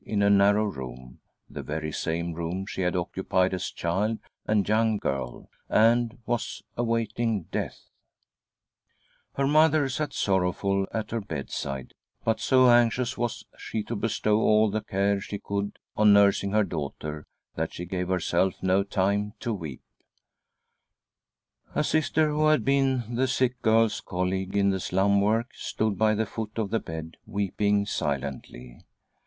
in a narrow room rthe very same room she had occupied as child and young girl— and was awaiting death. Her mother sat sorrowful at her bedside, but so anxious was she to bestow ah the care she could f f ■){■...■■:■<■——.. 10 THY SOUL SHALL BEAR WITNESS ! on nursing her daughter, that she gave herself no time to weep. A Sister, who had been the sick girl's colleague in the slum work, stood by the foot of the • bed weeping silently.